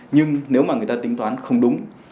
nhưng nếu mà người ta tính toán không đúng